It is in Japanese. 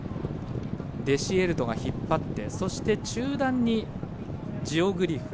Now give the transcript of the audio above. デシエルトが引っ張ってそして中団にジオグリフ。